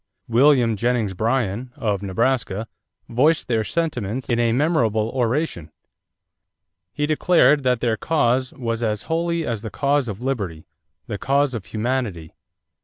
William Jennings Bryan, of Nebraska, voiced their sentiments in a memorable oration. He declared that their cause "was as holy as the cause of liberty the cause of humanity."